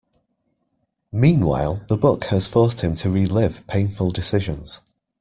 Meanwhile, the book has forced him to relive painful decisions.